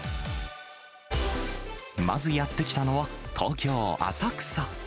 まずやって来たのは、東京・浅草。